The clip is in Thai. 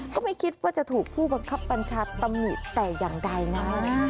ก็ไม่คิดว่าจะถูกผู้บังคับบัญชาตำหนิแต่อย่างใดนะ